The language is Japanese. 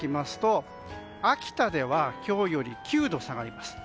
秋田では今日より９度下がります。